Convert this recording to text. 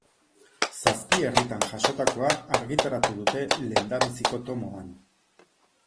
Zazpi herritan jasotakoa argitaratu dute lehendabiziko tomoan.